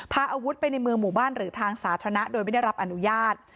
พาอาวุธไปในเมืองหมู่บ้านหรือทางสาธารณะโดยไม่ได้รับอนุญาต